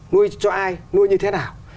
nuôi cho ai nuôi như thế nào